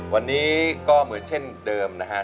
วันนี้ก็เหมือนเช่นเดิมนะฮะ